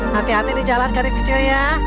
hati hati di jalan karir kecil ya